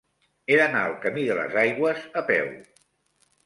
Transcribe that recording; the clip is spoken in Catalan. He d'anar al camí de les Aigües a peu.